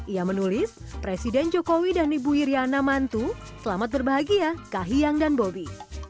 ia menulis presiden jokowi dan ibu iryana mantu selamat berbahagia kahiyang dan bobi